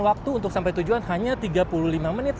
waktu untuk sampai tujuan hanya tiga puluh lima menit